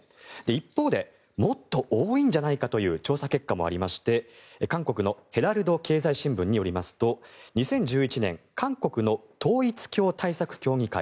一方でもっと多いんじゃないかという調査結果もありまして韓国のヘラルド経済新聞によりますと、２０１１年韓国の統一教対策協議会